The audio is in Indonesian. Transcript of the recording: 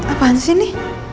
apaan sih ini